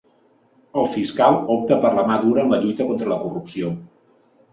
El fiscal opta per la mà dura en la lluita contra la corrupció